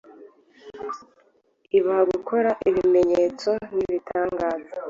ibaha gukora ibimenyetso n’ibitangaza.”